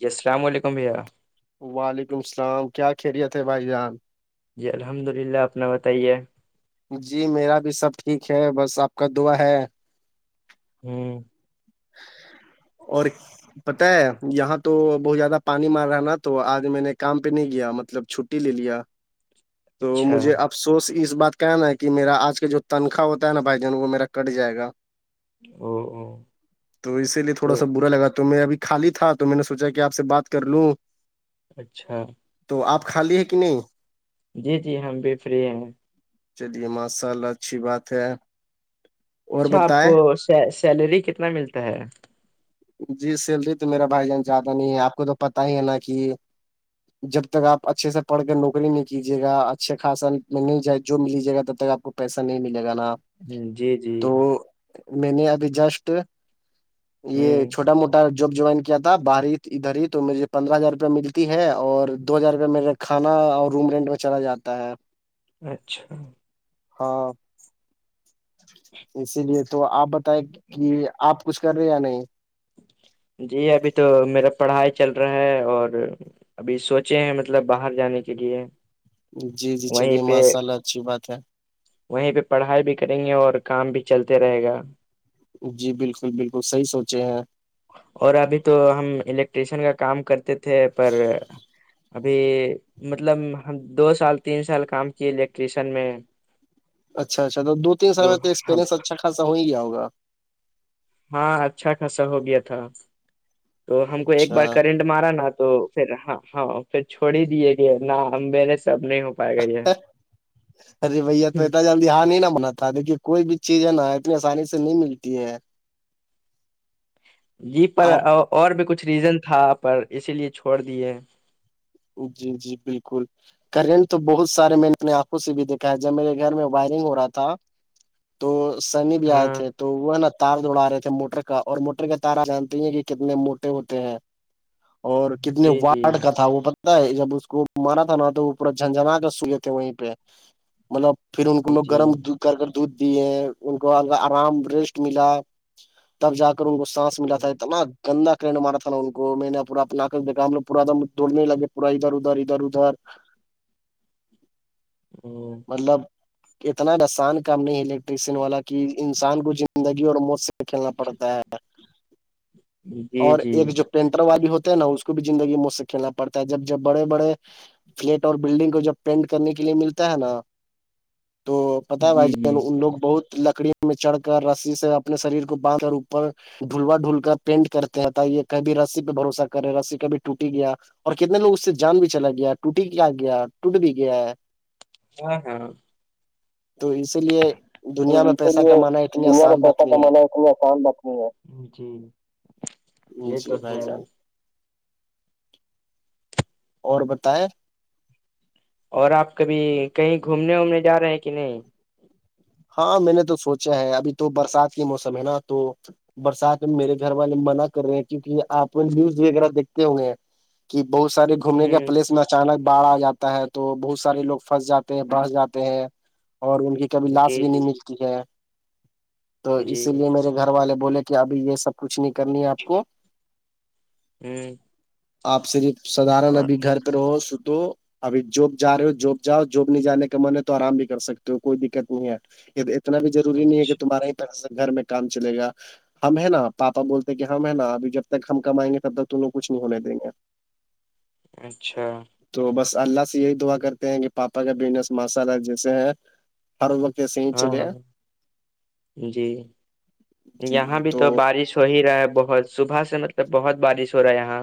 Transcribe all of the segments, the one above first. جی السلام علیکم بھیا وعلیکم السلام کیا خیریت ہے بھائی جان جی الحمد للہ اپنا بتائیے جی میرا بھی سب ٹھیک ہے بس آپ کا دعا ہے ہوں اور پتہ ہے یہاں تو بہت زیادہ پانی مار رہا ہے نا تو آج میں نے کام پہ نہیں کیا مطلب چ لے لیا تو اچھا مجھے آ او افسوس اس بات کہنا ہے کہ میرا آج کا جو تنخواہ ہوتا ہے نا بھائی جان وہ میرا کٹ جائے گا او او تو اسی لیے تھوڑا تو سا برا لگا تو میں ابھی خالی تھا تو میں نے سوچا کہ آپ سے بات کر لوں اچھا تو آپ خالی ہے کہ نہیں جی جی ہم بھی فری ہیں چلیے ماشاء اللہ اچھی بات ہے اور اچھا آپ کو بتائے سیلری کتنا ملتا ہے جی سیلری تو میرا بھائی جان زیادہ نہیں ہے آپ کو تو پتا ہی ہے نا کہ جب تک آپ اچھے سے پڑھ کے نوکری نہیں کیجیے گا اچھے خاصا میں نہیں جائے جو ملیجیے گا تب تک آپ کو پیسہ نہیں ملے گا نا ہ جی جی تو میں نے ابھی جسٹ ہ یہ ھوا موٹا جاب جوائن کیا تھا باہ ادھر ہی تو مجے پندرہ ہزار روپئے ملتی ہے اور دو ہزار روپئے میںیر کھانا اور روم رینٹ میں چلا جاتا ہے اچھا ہاں اسی لیے تو آپ بتائیں کہ آپ کچھ کر رہے یا نہیں جی ابھی تو میرا پڑھائی چل رہا ہے اور ابھی سوچے ہیں مطلب باہر جانے کے لیے جی جی وہیں چلیے پہ ماشاء اللہ اچھی بات ہے وہیں پہ پڑھائی بھی کریں گے اور کام بھی چلتے رہے گا جی بالکل بالکل صحی سوچے ہیں اور ابھی تو ہم الیکٹریشین کا کام کرتے تھے پر ابھی مطلب ہم دو سال تین سال کام کیے الیکٹریشن میں اچھا اچھا تو دو تین سم میں تو ایکپریئنس اچھا خاصا ہی گیا ہوا ہاں اچھا خاصہ ہو گیا تھا تو ہم کو ایک اچھا بار کرنٹ مارا نہا تو پھر ہاں ہاں پھر چھوڑ ہی دیے گئے ن مے سب نہیں ہو پائے کہیے ج ارے بھیا تو اتنا جلدی ہاں نہیں نا بناا دیکھیے کوئی بھی چیز ہے نا اتنی آسانی سے نہیں ملتی ہے [inaudible] جی پر آپ اور بھی کچھ ریزن تھا پر اسی لیے چھوڑ دیے جی جی بالکل کرنٹ تو بہت سارے میں نے اپنے آنکھوں سے بھی دیکھا ہے جب میرے گھر میں وائرنگ ہو رہا تھا تو سنی بھی آئے ہاں تھے تو وہ ہے نا تار دوڑا رہے تھے موٹر کا اور موٹر کا تار آپ جانتے ہیں کہ کتنے موٹے ہوتے ہیں اور کتنے جی جی واٹ کا تھا وہ جب اس کو مارا تھا نہ تو وہ پورا جھنجھنا کر سوئے تھے وہیں پہ مطلب پھر ان کو لوگ جی گرم کر کر دودھ دی ہیں ان کو آرام ریسٹ ملا تب جا کر ان کو سانس ملا تھا اتنا گندا کرن مارا تھا نا ان کو میں نے پور اپنا آیکھا ہم لو پورام توڑنے لگے پورا ادھر ادھر ادھر ادھر ہ مطلب اتنا آسان کام نہیں الیکٹریسین والا کی انسان کو زندگی اور مو سے کھیلنا پڑتا ہے جی اور جی ایک جو پینٹر والی ہوتے ہے نا اس کو بھی زندگی مجھ سے کھیلنا پڑتا ہے جب جب بڑے بڑے فلیٹ اور بلڈنگ کو جب پینٹ کرنے کے لیے ملتا ہے نا تو پتاہ ہے بھائی جی ج جی ان لوگ بہت [unintelligible] لکڑیوں میں چڑھ کر رسی سے اپنے شریر کو باند کر اوپر ڈھلوا ڈھول کر پینٹ کرتے رہتا یہ کب رسی پہ بھروسہ کرے رسی کبھی ٹوٹی گیا اور کتنے لوگ اس سے جان بھی چلا گیا ٹوٹی کیا گیا ٹوٹ بھی گیا ہے ہاں ہاں [unintelligible] تو اسی لیے تو دنیا میں اسی پیسہ لیے کمانا اتنی دنیا میں آسان بات پیسہ نہیں کمانا اتنی آسان بات نہیں ہے جی یہ جی تو بھائی ہے جان اور بتائے اور آپ کبھی کہیں گھومنے وومنے جا رہے ہیں کہ نہیں ہاں میں نے تو سوچا ہے ابھی تو برسات کے موسم ہے نا تو برسات میں میرے گھر والے منع کر رہے ہیں کیونکہ آپ نیوز وغیرہ دیکھتے ہوئے ہیں کہ بہت سارے گھومنے کا ہ پلیس میں اچانک باڑھ آ جاتا ہے تو بہت سارے لوگ پھنس جاتے ہیں بس جاتے ہیں اور ان کی کبھی لاس [unintelligible] جی جی ہے تو جی اسی لیے میرے گھر والے بولے کہ ابھی یہ سب کچھ نہیں کرنی ہے آپ کو ہوں آپ صرف سدھارن ابھی گھر پہ رہو س توو ابھی جب جا رہے ہو جب جاؤ جاب نہیں جانے کا من ہے تو آرام بھی کر سکتے ہو کوئی دقت نہیں ہے اتنا بھی روری نہیں ہے کہ اچھا تمہارا ہی پس گھر میں کام چلے گا ہم ہے نا پپا بولتے کہ ہم ہیں نا اب جب تک ہم کمائیں گے تب تک ت لوگ کچھ نہیں ہونے دیں گے [unintelligible] [inaudible] اچھا تو بس اللہ سے یہی دعا کرتے ہیں کہ پاپا کا بزنس ماشاء اللہ جیسے ہیں ہر وقت ایسے ہی ہاں چلے ہاں جی یہاں بھی تو بارش ہو ہی رہا ہے بہت صبح سے مطلب بہت بارش ہو رہا ہے یہاں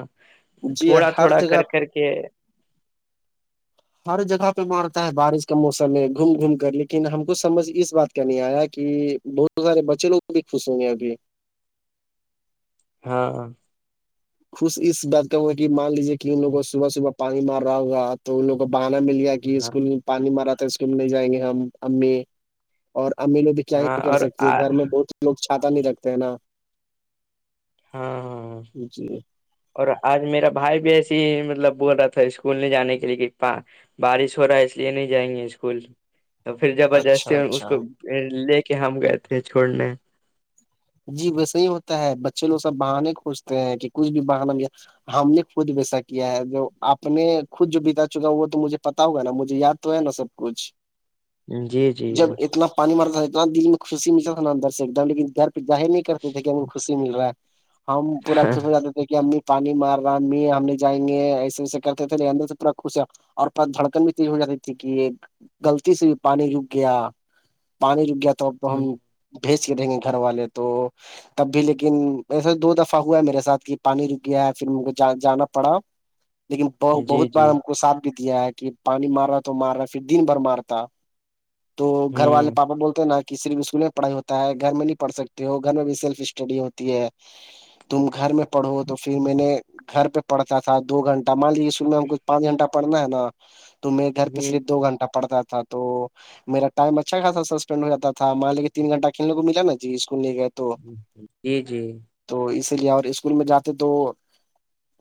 جی تھوڑا ہر تھوڑا جگہ کر کر کے کہ [unintelligible] ہر جگہ پہ مارتا ہے بارش کا موسم ہے گھوم گھوم کر لیکن ہم کو سمجھ اس بات کا نہیں آیا کہ بہت سارے بچے لوگ کو بھی خوش ہوں گے ابھی ہاں خوش اس بات کا ہوا کہ مان لیجیے کہ ان لوگ کو صبح صبح پانی مار رہا ہوگا تو ان لو کو بہانا مل جائے گا ہاں اسکول پانی مرا تھا اسکول میں نہیں جائیں گے ہم امی اور امی لو بھی کیا ہاں نہیں کر اور سکتی ہاں گھر میں بہت لوگ چھاتا نہیں رکھتے ہیں نا ہاں ہاں ہاں جی [unintelligible] اور آج میرا بھائی بھی ایسے ہی مطلب بول رہا تھا اسکول نہیں جانے کے لیے کہا بارش ہو رہا ہے اس لیے نہیں جائیں گے اسکول تو پھر اچھا زبردستی اس اچھا کو لے کے ہم گئے تھے چھوڑنے جی ویسے ہی ہوتا ہے بچے لوگ سب بہانے کھجتے ہیں کہ کچھ بھی بہانا یا ہم نے خود ویسا کیا ہے جو آپ نے خود جو بتا چکا وہ تو مجھے پتا ہوگا نا مجھے یاد تو ہے نا سب کچھ جی [unintelligible] جی جب اتنا پانی مرتا تھا اتنا دل میں خوشی ملتا تھا نا اندر سے ایک دم لیکن گھر جاہر نہیں کرتے تھے کہ ہمیں خوشی مل رہا ہے ہم پورا خوش ہو جاتے تھے کہ ہم میٹ پانی مار رہا آدمی ہمنے جائیں گے ایسے ویسے کرتے تھے اندر سے تھورا خوش اور پ دھڑکن بھی تیز ہو جاتی تھی کہ گغلطی سے بھی پانی جک گیا [unintelligible] پانی رک گیا تو اب تو ہم بھیج کے رہیں گے گھر والے تو تب بھی لیکن ایسے دو دفعہ ہوا ہے میرے ساتھ کہ پانی رک گیا ہے پھر مھے جانا پڑا [inaudible] لیکن ب جی بہت بار جی ہم کو ساتھ بھی دیا ہے کہ پانی مار رہا تو مار رہا ہے پھر دن بھر مارتا تو گھر والے ہوں پاپا بولتے ہیں نا کہ صرف اسکول میں پڑھائی ہوتا ہے گھر میں نہیں پڑھ سکتے ہو گھر میں بھی سیلف اسٹڈی ہوتی ہے تم گھر میں پڑھو تو پھر میں نے گھر پہ پڑتا تھا دو گھنٹہ مان لیجے اسکول میں ہم کچھ پانچ گھنٹہ پڑنا ہے نا تو میرے گھر ہ پچرے دو گھنٹہ پڑتا تھا تو میرا ٹائم اچھا سسپینڈ ہو جاتا تھا مان لے کے تین گھنٹ کلنے کو ملا نا جی اسکول لے گئے تھ جی جی تو اسی لیے اور اسکول میں جاتے تو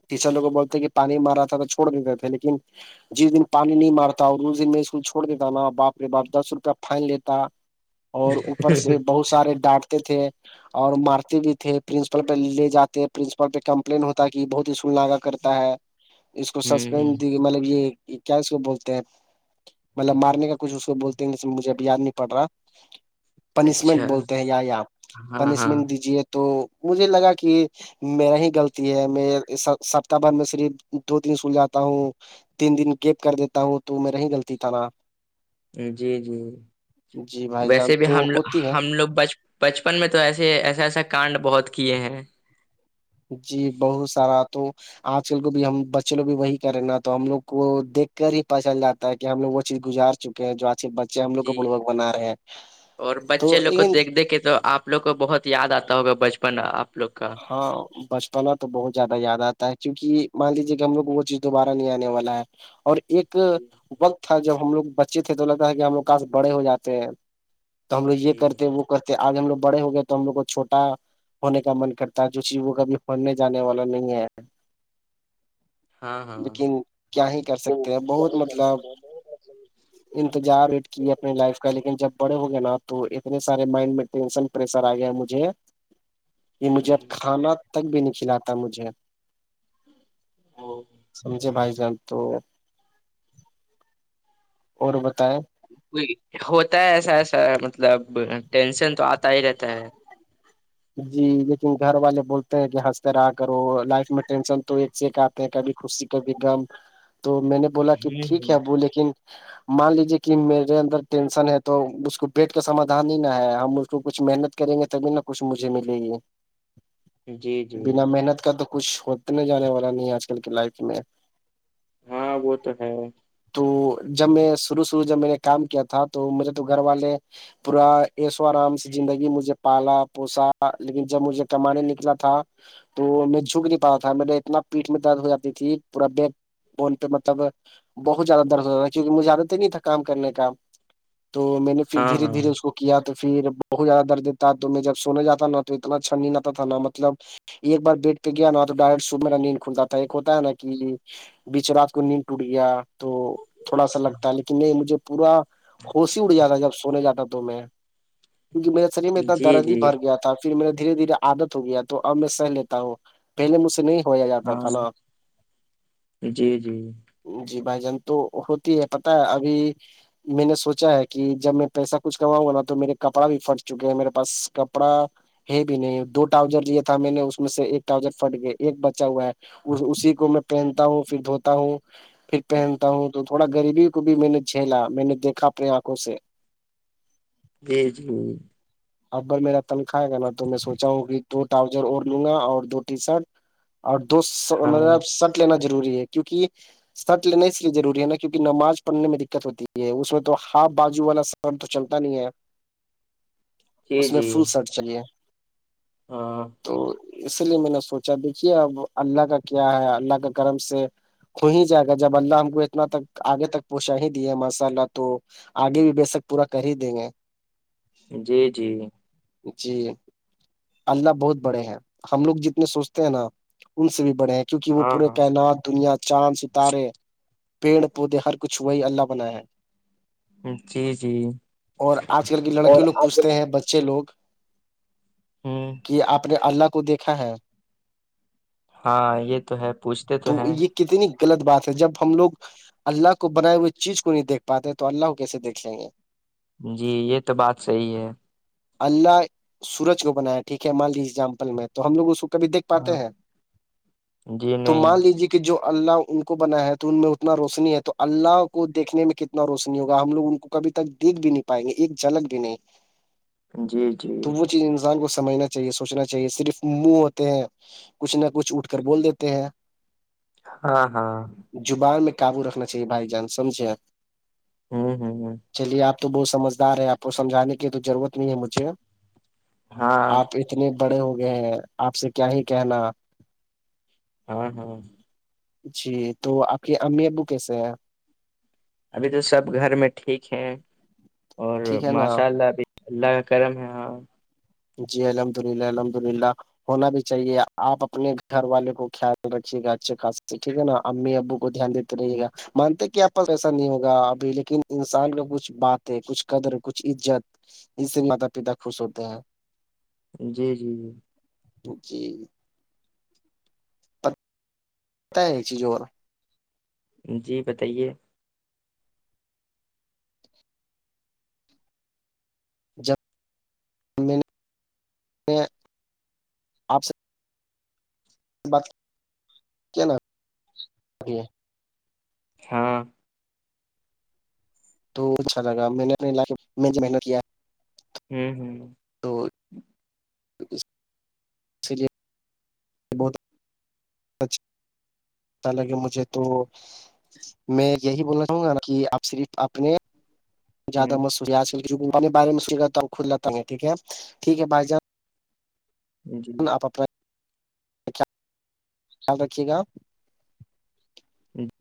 ٹیچر لوگ بولتے ہیں کہ پانی مار رہا تھا تو چوڑ نہیں دیتے تھے لیکن جس دن پانی نہیں مارتا اور اس دن میں اسکول چھوڑ دیتا نا باپ رے باپ دس روپیہ فائن لیتا اور اوپر سے بہت سارے ڈانٹتے تھے اور مارتے بھی تھے پرنسپل پہ لے جاتے پرنسپل پہ کمپلین ہوتا ہے کہ بہت اسکول لگا کرتا ہے اس کو ہوں سسپینڈ دی کہ مطلب یہ کیا اس کو بولتے ہیں مطلب مارنے کا کچھ اس کو بولتے ہیں جس میں مجھے اب یاد نہیں پڑ رہا اچھا پنشمنٹ بولتے ہیں یی آپ ہاں ہاں پنشمنٹ دیجیے تو مجھے لگا کہ میرا ہی غلط ہے میں سپتاہ بھر میں صرف دو تن سول جاتا ہوں تین دن گیپ کر دیتا ہوں تو میرریا ہی غلطی تھا نا جی جی جی بھائی جان ویسے بھی تو ہموگ ہوتی ہے ہم لوگ بچ بچپن میں تو ایسے ایسے ایسا کانڈ بہت کیے ہیں جی بہت سارا تو [unintelligible] آج کل کو بھی ہم بچے لو بھی وہی کریں نا تو ہم لوگ کو دیکھ کر ہی پت چل جا ہے کہ ہم لوگ وہ چیز گزار چکے ہیں جو آج کے بچے ہم لوگ کو جی پوروک بنا رہے ہیں تو لیکن دیکھیں تو آپ آ لوگ کو بہت یاد آتا ہوگا بچپن آپ لوگ کا ہاں بچپنا تو بہت زیادہ یاد آتا ہے کیونکہ مان لیجے کہ ہم لو کو وہ چیز دوبارہ نہیں آنے والا ہے اور ایک وقت تھا جب ہم لوگ بچے تھے تو لگتا تھا کہ ہم لوگ کاس بڑے ہو جاتے ہیں تو ہم لوگ یہ جی کرتے وہ کرتے آگے ہم لوگ بڑے ہو گئے تو ہم لوگ کو چھوٹا ہونے کا من کرتے جو چیز وہ کبھی ہونے جانے والا نہیں ہے ہاں ہاں لیکن کیا ہی کر سکتے ہیں کیا بہت ہی کر مطلب سکتے انتظار کیے اپنے لائف کا لیکن جب بڑے ہوگے نا تو اتنے سارے مائنڈ میں ٹینشن پریشر آ گیا مجھے [unintelligible] یہ مجھے اب ہیں کھانا تک بھی نہیں کھلاتا مجھے سمھے بھائی جان [unintelligible] تو اور بتائ ہوتا ہے ایسا ایسا مطلب ٹینشن تو آتا ہی رہتا ہے جی لیکن گھر والے بولتے ہیں کہ ہنستے رہا کرو لائف میں ٹینشن تو ایک چ کا کبھی خوشی کبھی م تو میں نے بولا کہ ٹھیک ہے ہ ابو لیکن مان لیجے کہ میرے اندر ٹینشن ہے تو اس کو بیٹ کا سمادھان ہی نہ ہے ہم اس کو کچھ محنت کریں گے تبھی نہ کچھ مجھے ملے گی ہ جی جی بنا محنت کا تو کچھ سوودنے جانے والا نہیں آج کل کی لائف میں ہاں وہ تو ہے [unintelligible] تو جب میں شروع شروع جب میں نے کام کیا تھا تو مجھے تو گھر والے پورا اییس و آرام سے زندگی مجھے پالا پوسا لیکن جب مجھے کمانے نکلا تھا تو میں جھک نہیں پا تھا میرے اتنا پیٹ میں درد ہو جاتی تھی پورا بیٹ بون پہ مطلب بہت زیادہ درد ہوتا تھا کیونکہ مجھےد تو نہیں تھا کام کرنے کا تو میں نے پھر ہاں دھیرے ہاں دھیرے اس کو کیا تو پھر بہت زیادہ دردتا تو میں جب سونے جاتا نا تو اتنا چھننی نہ تھا نا مطلب ایک بار بیٹ پہ گیا نا تو ڈائرٹ صبح میرا نیند کھلتا تھا ایک ہوتا ہے نا کہ بیچ رات کو نیند ٹوٹ گیا تو تھوڑا سا لگتا ہے لیکن نہیں مجھے پورا ہوسی ہی اٹ جاتا جب سونے جاتا تو میں کیونکہ میرے شریر میں اتنا جی درد ہی جی بھر گیا تھا پھر میرا دھیرے دھیرے عادت ہو گیا تو اب میں سہ لیتا ہوں پہلے مج سے نہیں کھویا جاتا ہاں تھا نا جی جی جی بھائی جان تو ہوتی ہے پت ابھی میں نے سوچا ہے کہ جب میں پیسہ کچھ کماؤںا نا تو میرے کپڑا بھی پھٹ چکے ہیں میرے پاس کپڑا ہے بھی نہیں دو ٹاؤزر لیا تھا میں نے اس میں سے ایک ٹرؤزر پھٹ گیا ایک بچا ہوا ہے اسی کو میں پہنتا ہوں پھر دھوتا ہوں پھر پہنتا ہوں تو تھوڑا غریبی کو بھی میں نے جھیلا میں نے دیکھا اپنی آنکھوں سے [inaudible] بی ج [unintelligible] اکبر میرا تنخاائے گا نا تو میں سوچا ہوں کہ دو ٹراؤزر اور لوں گا اور دو ٹی شرٹ [unintelligible] اور دو ہاں مطلب سٹ لینا ضروری ہے کیونکہ سٹ لینا اس لیے روری ہے نا کیونک نماز پڑھنے میں دقت ہوتی ہے اس میں تو ہاف بجو والا سر تو چلتا نہیں ہے جی اس میں جی فل سرٹ چلیے ہاں تو اسی لیے میں نے سوچا دیکھیے اب اللہ کا کیا ہے اللہ کا کرم سے ہو ہی جائے گا جب اللہ ہم کو اتنا تک آگے تک پہنچا ہی دی ہے ماشاء اللہ تو آگے بھی بے شک پورا کر ہی دیں گے جی جی جی اللہ بہت بڑے ہیں ہم لوگ جتنے سوچتے ہیں نا ان سے بھی بڑے ہیں کیونک وہ ہاں پورے ہاں کائنات دنیا چاند سے تارے پیڑ پودے ہر کچھ وہی اللہ بناائے ہیں جی جی اور آج کل کی لڑکی اور لوگ آج کل پوچھتے ہیں بچے لوگ ہاں [unintelligible] کہ آپ نے اللہ کو دیکھا ہے ہاں یہ تو ہے پوچھتے تو ہیں کتنی غلط بات ہے جب ہم لوگ اللہ کو بنائے ہوئے چیز کو نہیں دیکھ پاتے تو اللہ کو کیسے دیکھ لیں گے جی یہ تو بات صحیح ہے اللہ سورج کو بنایا ٹھیک ہے مالجیزامپل میں تو ہم لوگ اس [unintelligible] کبھی دیکھ پاتے ہاں ہیں جی تو نہیں مان لیجیے کہ کہ جو اللہ ان کو بنایا ہے تو ان میں اتنا روشنی ہے تو اللہ کو دیکھنے میں کتنا اتنا روشنی ہوگا ہم لوگ ان کو کبھی تک دیکھ بھی نہیں پائیں گے ایک جھلک بھی نہیں جی جی تو وہ چیز انسان کو سمجھنا چاہیے سوچنا چاہیے صرف منہ ہوتے ہیں کچھ نہ کچھ اٹھ کر بول دیتے ہیں ہاں ہاں زبان میں قابو رکھنا چاہیے بھائی جان سمجھےپ ہوں ہ چلیے آپ [unintelligible] تو بہت سمجھدار ہے آپ کو سمجھانے کی تو ضرورت نہیں ہے مجھے ہاں آپ اتنے بڑے ہو گئے ہیں آپ سے کیا ہی کہنا ہاں ہاں جی تو آپ کی امی ابو کیسے ہیں ابھی تو سب گھر میں ٹھیک ہے اور ٹھیک ہے نا ماشاء اللہ ابھی اللہ کا کرم ہے ہاں جی الحمد للہ الحمد للہ ہونا بھی چاہیے آپ اپنے گھر والے کو خیال رکھیے گا اچھے خاص ٹھیک ہے نا امی ابو کو دھیان دیتے [unintelligible] مانتے کہ آپ پاس ایسا نہیں ہوگا ابھی لیکن انسان کا کچھ باتیں کچھ قدر کچھ عزت اس سے ماتا پتا خوش ہوتے ہیں جی جی جی جی [unintelligible] ت نہیںی جوور جی بتائیے جب [unintelligible] آپ سے بات کیا نام ہاں تو اچھا لگا میں نے اپنے کے میں محنت کیا ہوں ہوں تو اسی لیے بہت لگے مجھے تو میں یہی بولنا چاہوں گا نا کہ آپ صرف اپنے جیادہ م ہوں ہو آجنے بارے میں ستا ہ کل لتا ہ ٹیک ٹیک بائی جان جی آپ اپنا خیال رکھیے گا آپ [unintelligible]